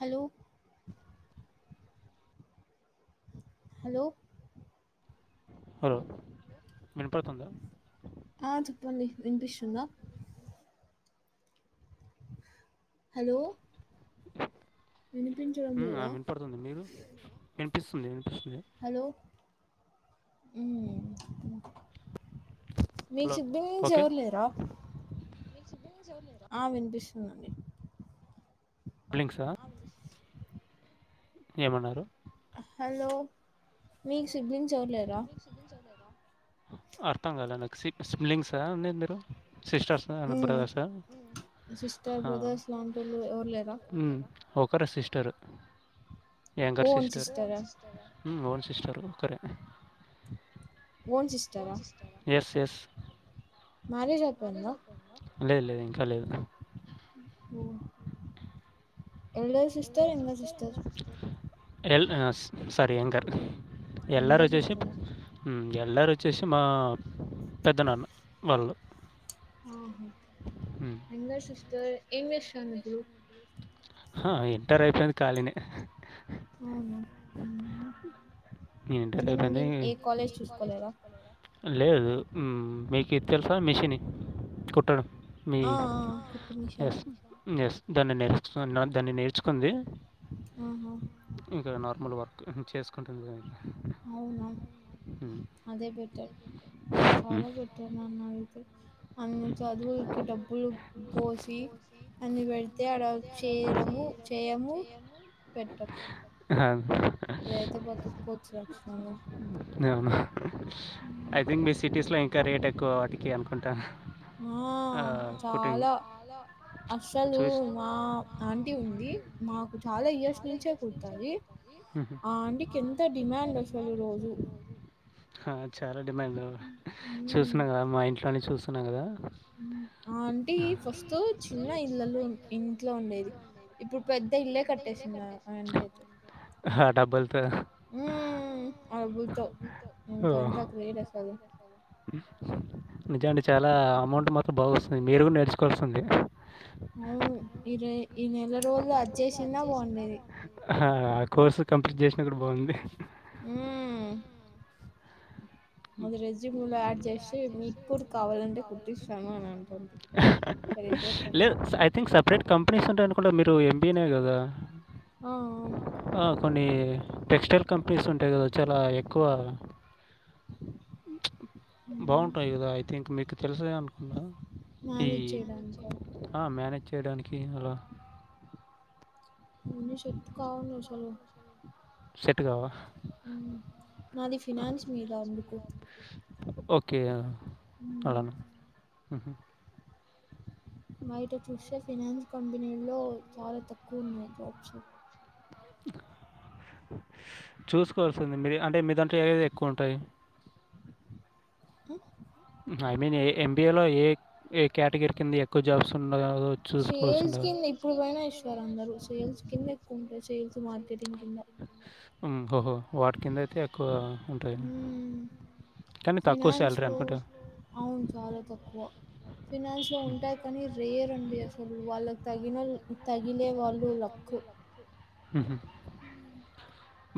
Hello hello hello విన్పడుతుందా ఆ చెప్పండి విన్పిస్తుందా హలో ఉ ఆ విన్పడుతుంది మీరు విన్పిస్తుంది విన్పిస్తుంది హలో హ్మ్ మీకు సిబ్బిలింగ్స్ ఎవరు లేరా మీకు సిబ్బిలింగ్స్ ఎవరూ లేరా ఆ విన్పిస్తుందండి బ్లింగ్సా ఏమన్నారు హలో మీక్ సిబ్లింగ్స్ ఎవరు లేరా అర్థం కాలా నాకు స్మిలింగ్సా అనేది మీరు సిస్టర్స్ అండ్ బ్రదర్సా ఒకరే sister younger sister hmm own sister ఒకరే ఎస్ ఎస్ లేదు లేదు ఇంకా లేదు యల్డర్ సిస్టర్ యంగర్ సిస్టర్ ఎల్ సారి యంగర్ యల్డర్ ఒచ్చేసి యల్డర్ ఒచ్చేసి మా పెద్ద నాన్న వాళ్ళు ఆహా యంగర్ సస్టర్ ఏం చేస్తాంది ఇప్పుడు హా ఇంటర్ అయిపోయింది ఖాలీనే ఆహా ఇంటర్ అయిపోయింది లేదు మీకు ఇది తెలుసా మిషిని కుట్టడం మీ ఎస్ ఎస్ దాన్ని నేర్చు దాన్ని నేర్చుకుంది ఆహా ఇంక నార్మల్ వర్క్ చేసుకుంటుంది అవునా అదే బెటర్ చాలా బె టున్నా నన్నడిగితే అన్ని చదువులకి డబ్బులు పోసి అన్ని పెడితే అడ చేయడము చేయము పెట్టం ఆ ఇదైతే బతుకోవచ్చు లక్షణంగా అవును ఐ థింక్ మీ సిటీస్ లో ఇంకా రేట్ ఎక్కువ వాటికి అనుకుంటా ఆ చాలా అస్సలు మా ఆంటీ ఉంది మాకు చాలా ఇయర్స్ నుంచే కుడతది ఆ అంటీకి ఎంత డిమాండ్ అస్సలు రోజు హా చాలా డిమాండు చూస్తున్నా కదా మా ఇంట్లోనే చూస్తున్నా కదా ఆ అంటీ ఫస్ట్ చిన్న ఇళ్ళలు ఇంట్లో ఉండేది ఇప్పుడు పెద్ద ఇల్లే కట్టేసింది ఆ ఆంటీ అయితే ఆ డబ్బులతో హ్మ్ ఆ బ్బుల్తో ఇంకా ఎంత గ్రేట్ అస్సలు నిజానికి చాలా అమౌంట్ మాత్రం బాగ వస్తయి మీరు కూడా నేర్చుకోవాల్సింది అవును ఈ ర ఈ నెల రోజులు అది చేసినా బాగుండేది హా కోర్సు కంప్లీట్ చేసిన కూడా బాగుంది హూ అది రెస్యుమ్లో యాడ్ చేస్తే మీకు కూడా కావాలంటే కుట్టిస్తాను అని అంటుంది లేదు ఐ థింక్ సపరేట్ కంపెనీస్ ఉంటాయి అనుకుంట మీరు ఎంబియేనే కదా ఆ కొన్ని టెక్స్టైల్ కంపెనీస్ ఉంటాయి కదా చాలా ఎక్కువ బాగుంటాయి కదా ఐ థిక్ మీకు తెలిసేను అ ఈ హ మ్యానేజ్ చేయడానికి అలా మన్ని షర్ట్ కావు ను చలు ఉ నాది ఫినాన్స్ మీద అందుకు ఓకే అలాన ఉహు బయట చూస్తే ఫినన్స్ కంపెనీలో చాలా తక్కువ ఉన్నాయి జాబ్స్ చూసుకోవాల్సింది మీరు అంటే మీ దంట్లో ఏది ఎక్కువ ఉంటాయి huh I mean a MBA లో ఏ ఏ కేటగిర కింద ఎక్కువ జాబ్స్ ఉండగ సేల్స్ కింద ఇప్పుడు పోయిన ఇస్తారు అందరు సేల్స్ కింద ఎక్కువ ఉంటారు సేల్స్ ఓహో వాటి కింద అయితే ఎక్కువ ఉంట్రి ఫినాన్స్లో అవును చాలా తక్కువ ఫినన్స్లో ఉంటాయి కానీ రేర్ ఉండి అసలు వాళ్ళకు తగినోల్లు తగిలే వాళ్ళు లక్కు ఉహు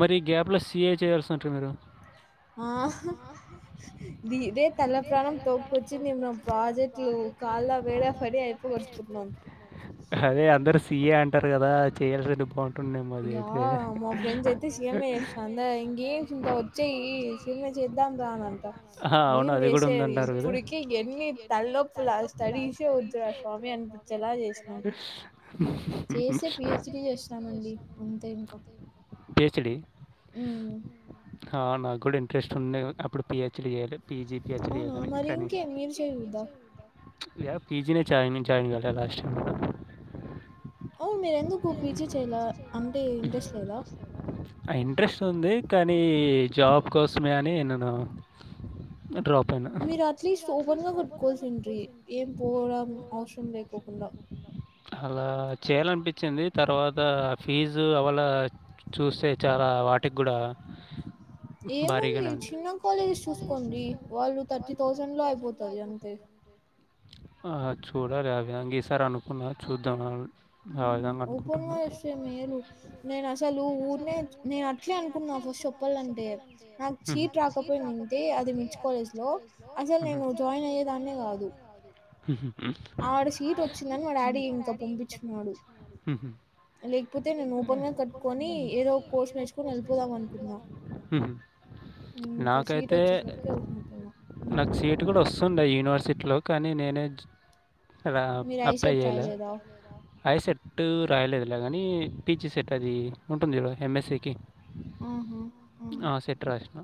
మరి గ్యాప్లో సిఏ చేయాల్సునుంటి మీరు ఆహా దిదే తల ప్రాణం తోకకోచ్చింది మా ప్రాజెక్టులు కాళ్ళ వేళ్ల పడి అయిపోగొట్టుకున్నాం అదే అందరు సీఏ అంటారు కదా చెయల్సి బాగుం యా మా ఫ్రెండ్స్ అయితే సిఎంఎ చేసిరు ఇంకెం సునిత వచ్చేయి సిఎంయే చేద్దాం రా అనంట ఏం చేసేది ఇప్పుడికి ఎన్ని తలనొప్పులా స్టడీస్ వద్దురా స్వామి అనిపించేలా చేసినాం పిహెచ్డి ఊ హ నాకు కూడా ఇంట్రెస్ట్ ఉండే అప్పుడు పిహెచ్డీ చేయాలి పిజీ పిహెచ్డీ చేయ్యాలి మరి ఇంకేమి మీరుచేయకూడదా ఇగ పిజీనే చదివించారు ఇగ అదే లాస్ట్ అవును మీర ఎందుకు పీజీ చెయల అంటే ఇంట్రెస్ట్ లేదా ఇంట్రెస్ట్ ఉంది కానీ జాబ్ కోసమే అని నేను డ్రాప్ మీరు అట్లీస్ట్ ఓపెన్గా పేట్టుకోవాల్సుంట్రీ ఏం పోవడం అవసరం లేపోకుండా అలా చేయాలనిపించింది తర్వాత ఫీజు అవళ చూస్తే చాలా వాటికి కూడా ఏముంది చిన్న కాలేజెస్ చూసుకోండి వాళ్ళు థర్టీ థౌసండ్లో అయిపోతది అంతే ఆ చూడాలి ఆ విధంగా ఈసారీ అనుకున్నా చూద్దామని ఓపెన్గా వస్తే మేలు నేను అసలు ఊరినే నేను అట్లే అనుకుంన్నా ఫస్ట్ చెప్పాలంటే నాకు సీట్ రాకపోయినుంటే అది మంచి కాలేజ్లో అసలు నేను జాయిన్ అయ్యేదాన్నే కాదు ఉహు ఆడ సీట్ వచ్చిందని మా డాడీ ఇంక పంపిచ్చిన్నాడు హు హూ లేకపోతే నేను ఓపెన్ గా కట్టుకోని ఏదో ఒక కోర్స్ నేర్చుకుని వెళ్ళిపోదాం అనుకున్నా ఊ ఇంకా సీట్ వచ్చే సరికి ఉకుండి పోయినా టు కూడా వస్తుండే యూనివర్సిటీలో కానీ నేనేంచ్ ఆడ అప్లై చేయలే హై సెట్టు రాయలేదులే గానీ పీ జీ సెట్ అది ఉంటుంది ఎం ఎస్ సి కి ఆహా ఆ సెట్ రాసినా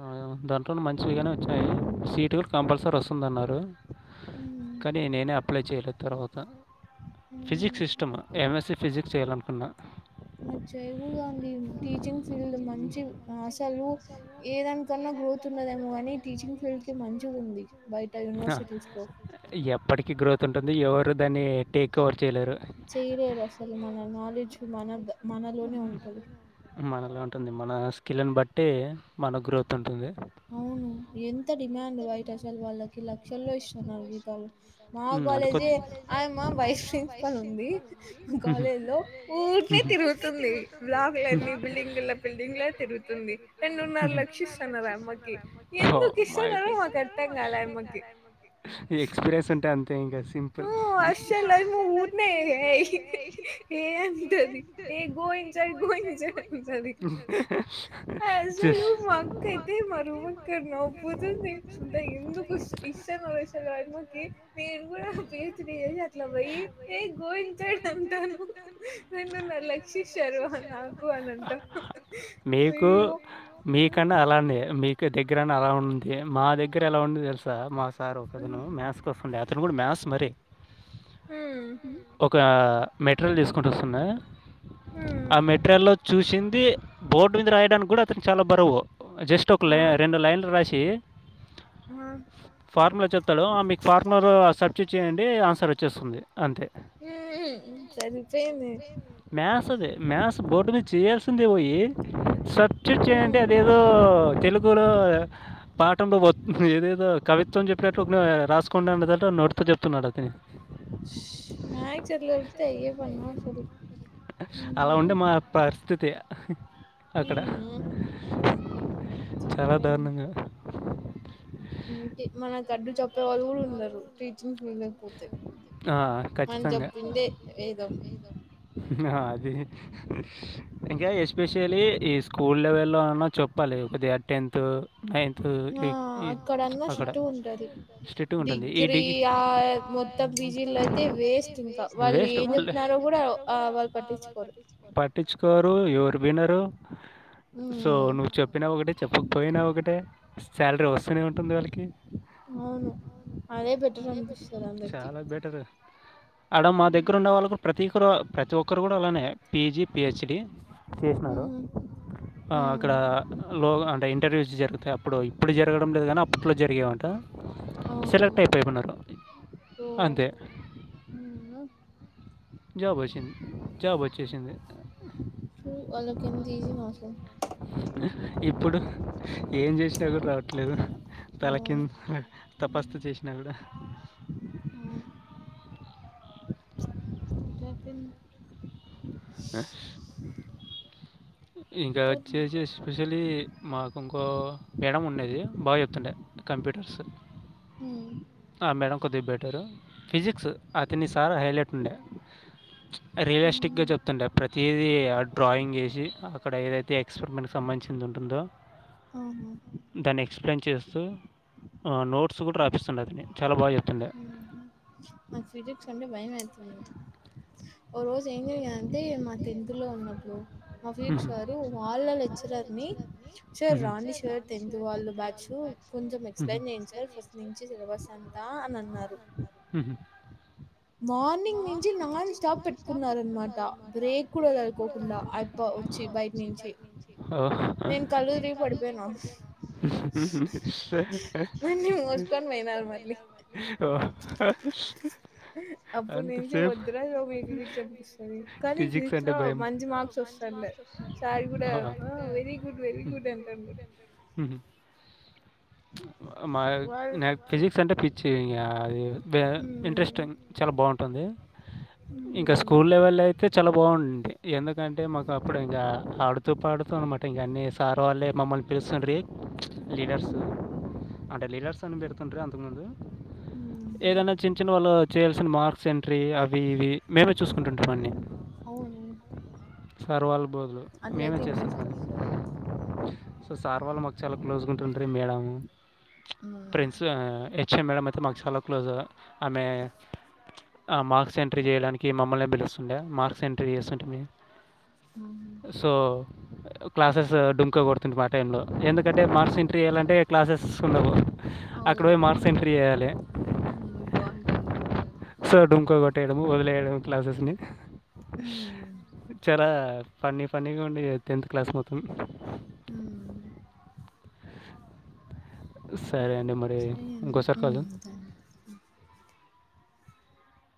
ఆ దాంట్లోను మంచిగానే వచ్చినాయి సీటు కంపల్సరీ వస్తుంది అన్నారు కానీ నేనే అప్లై చేయలే తర్వాత ఫిజిక్స్ ఇష్టం ఎం ఎస్ సి ఫిజిక్స్ చేయాలనుకున్నా మరి చేయగూడదా అండి టీచింగ్ ఫీల్డ్ మంచిది అసలు ఏ దానికన్నా గ్రోత్ ఉన్నదేమో గానీ టీచింగ్ ఫీల్డ్ కి మంచిగుంది బయట యూనివర్సిటీస్ లో ఎప్పటికీ గ్రోత్ ఉంటుంది ఎవరూ దాన్ని టేక్ ఓవర్ చేయలేరు చెయ్యలేరు అసలు మన నాలెడ్జ్ మనద్ మనలోనే ఉంటుంది మనలో ఉంటుంది మన స్కిల్లుని బట్టి మన గ్రోత్ ఉంటుంది అవును ఎంత డిమాండ్ బైట అస్సలు వాళ్ళకి లక్షల్లో ఇస్తున్నారు జీతాలు మా కాలేజే ఆ యమ్మ వైస్ ప్రిన్సిపల్ ఉంది కాలేజ్ లో ఊరికినే తిరుగుతుంది బ్లాక్ లన్నీ బిల్డింగ్లే బిల్డింగ్ లో తిరుగుతుంది రెండున్నర లక్షిస్తన్నారు ఆమ్మ కి ఎందుకు ఇస్తన్నారో మాకు అర్థం కాలే ఆ యమ్మకి ట అంతే ఇంగస్ సింపుల్ టది ఏ గో ఇన్సైడ్ గో ఇన్సైడ్ అంటది అసలు మా అక్క ఎక్ కి మా రూం అక్క నవ్ పోతుంది అంటే ఎందుకు ఇస్ [unintelligible] ఆ యమ్మకి నేను [inaudible] చేసి అట్ల బొయ్యి ఏ గో ఇంసైడ్ అంటాను రెండున్నల లక్షిచ్చారు నాకు అని అంటా మీకు మీ కన్నా అలా కాండి మీకే దగ్గరని అలా ఉంది మా దగ్గర ఎలా ఉంది తెలుసా మా సార్ ఒకతను మథ్స్ కొస్తుండే అతను గూడా మ్యథ్స్ మరి ఒక మెటిరియల్ తీసుకుంటు వస్తుండే ఆ మెట్రియల్ లో చూసింది బోర్డు మీద రాయడానికి గూడా అతనికి చాలా బరువు జస్ట్ ఒక లై రెండు లైన్లు రాషి ఆ ఫార్ములా చెప్తాడు ఆ మీకు ఫార్ములా లో సబ్ట్యూట్ చెయ్యండి ఆన్సర్ వచ్చేస్తుంది అంతే సరిపోయింది మ్యాథ్స్ ది మ్యాథ్స్ బోర్డు మీద చెయ్యాల్సింది పోయి సబ్ట్యూట్ చేయ్ అంటే అదేదో తెలు గులో పాఠంలో వత్ ఏదేదో కవిత్వం చెప్పినట్లు ఉన్నవే రాసు కొండందట్టు నోటితో చెప్తున్నాడు అతను [unintelligible] అయ్యే పనా అసలు అలా ఉండే మా పరిస్థితి అక్కడ చాలా దారుణంగా అంతే మనకు అడ్డు చేప్ ప్పె వాళ్ళు గూడ ఉండరు టీచింగ్ ఫీల్డ్లోకి పోతే మనం జేప్పిందే వేదం ఆ ఆది ఇంకా ఎస్పెషల్లీ ఈ స్కూల్ లెవెల్ లో అన్న చెప్పాలి కొద్దిగా టెన్త్ నైన్తు ఇ ఇ అక్కడ ఉంటుంది ఈ డిగ్ వేస్ట్ ఆ వాళ్ పట్టిచుకోరు పట్టిచుకోరు ఎవరు వినరు సో నువ్వు చెప్పినా ఒకటే చెప్పకపోయినా ఒకటే సాలరీ వస్తూనే ఉంటుంది వాళ్ళకి అవును అదే బెటర్ అనిపిస్తది అందరికి బెటరు ఆడ మా దగ్గర ఉండే వాళ్ళకు ప్రతి ఫ్రొ ప్రతి ఒక్కరు గూడ అలానే పీజి పిహెచ్డి చేసినారు ఆ అక్కడ లోగ అంటే ఇంటర్వ్యూస్ జరుగుతాయి అప్పుడు ఇప్పుడు జరగడం లేదు గానీ అప్పట్లో జరిగే వంట ఆహా దో ఉమ్ ఉ జాబ్ ఓషింద్ జాబ్ వో తు వళ్ళకి ఎంత ఇజీనొ అసలు ఇప్పుడు ఏం జేషినా గూడ రాద్ లేదు తలకింద తపస్తు చేసినా కూడా ఆ అట్లైపింది ఆ ఇంకా వచ్చేసేస్ ఎస్పెషలీ మాకు ఇంకో మేడం ఉండేది బాగా చెప్తుండే కంప్యూటర్స్ ఉమ్ ఆ మేడం కొద్దిగ బెటరు ఫిజిక్స్ అతన్ని సార్ హైలైట్ ఉండా రియలిస్టిక్ గా చెప్తుండే ప్రతీ దీ ఆ డ్రాయింగ్ ఎసి అక్కడ ఏదైతే ఎక్స్పెరిమెంట్కి సంబంధించి ఉంటుందో ఆమామ్ దాన్ని ఎక్స్ప్లెయిన్ చేస్తూ ఆ నోట్స్ కూడా రాపిస్తుండా అతను చాలా బా చెప్తుండే ఉహు నాకు ఫిజిక్స్ అంటే భయమైతుంది ఓ రోజు ఏం జరిగిందంటే మా టెన్త్లో ఉన్నప్పుడు మా ఫీజిక్స్ సారు వాళ్ళ లెక్చరర్ని సార్ రాండి సార్ టెన్త్ వాళ్ళు బ్యాచు కొంచెం ఎక్స్ప్లెన్ చేయండి సార్ ఫస్ట్ నుంచి సిలబసంతా అని అన్నారు ఉహు మార్నింగ్ నుంచి నాన్ స్టాప్ పెట్టుకున్నారన్మాట బ్రేక్ కూడా వదలకోకుండా ఆయప్ప ఓహో ఉహు ఓహోహో అప్పుడ్నుంచి వద్రాసామ్ ఈ ఫిజిక్స్ అనిపిస్తుంది కానీ ఫిజిక్స్లో మంచి మార్క్స్ ఒస్తుం స్తాడా సార్ కూడా వెరీ గుడ్ వెరీ గుడ్ అంటాండా ఉహు మా నాకు ఫిజిక్స్ అంటే పిచ్చి ఇంగా అది ఇంట్రెస్టింగ్ చాలా బాగుంటుంది ఇంకా స్కూల్ లెవెల్లై తే చాలా బాగుండింది ఎందుకంటే మాకు అప్పుడు ఇంకా ఆడుతూ పాడుతూ అనమాట ఇంగ అన్నీ. సార్ వాళ్ళే మమ్మల్ని పిలుస్తుండ్రి ప్చ్ లీడర్సు. అంటే లీడర్స్ అని బెడ్తుండ్రి అంతకు ముందూ. ఊహు చిన్న్ చిన్న్ వాళ్ళు చేయాల్సిన మార్క్స్ ఎంట్రీ అవి ఇవీ మేమే చూస్కుంటుంటిమి అన్నీ. అవునే సార్ వాళ్ళు బదులు మేమే చేస్తుంటిమి అన్ని సో సార్ వాళ్ళు మాకు చాలా క్లోజ్గుంటుంటిరి మేడం. ప్రిన్సు ఆ హెచ్ఎం మేడమైతే మాకు చాలా క్లోసు ఆమే. ఆ మార్క్స్ ఎంట్రీ చేయడానికి మమ్మల్నే పిలుస్తుండే మార్క్స్ ఎంట్రీ చేస్తుంటిమీ. అవునా సో క్లాసెసూ డుంక కొడ్తుంటిమి ఆ టైంలో ఎందుకంటే మార్క్స్ ఎంట్రీ ఎయ్యాలంటే. క్లాసెస్ ఉండవు అక్కడ పోయి మార్క్స్ ఎంట్రీ చేయాలే. సో డుంకా కొట్టేయడము ఒదిలేయడం క్లాసెస్ని. చాలా ఫన్ని ఫన్నిగుండేది టెన్త్ క్లాస్ మొత్తం. హ్ము చెయ్యండి ఊ సరే అండి